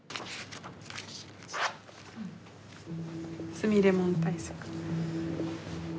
すみれもん対策。